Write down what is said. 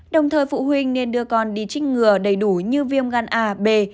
đồng thời phụ huynh nên đưa con đi trích ngừa đầy đủ như viêm gan a b